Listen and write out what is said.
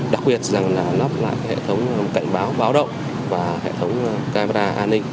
đặc biệt rằng là lắp lại hệ thống cảnh báo báo động và hệ thống camera an ninh